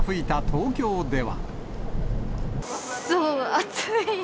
暑い！